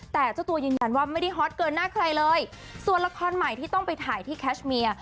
แต่เจ้าตัวยืนยันว่าไม่ได้ฮอตเกินหน้าใครเลยส่วนละครใหม่ที่ต้องไปถ่ายที่แคชเมีย